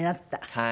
はい。